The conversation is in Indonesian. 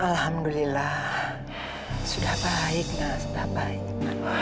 alhamdulillah sudah baik sudah baik